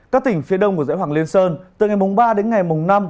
các tỉnh phía đông của dãy hoàng liên sơn từ ngày ba đến ngày mùng năm